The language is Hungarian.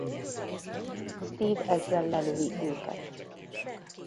Steve ezzel lelövi őket.